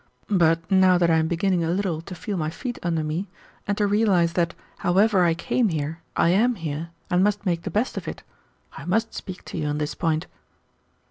But now that I am beginning a little to feel my feet under me, and to realize that, however I came here, I am here, and must make the best of it, I must speak to you on this point."